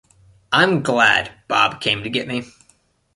I'm glad Bob came to get me.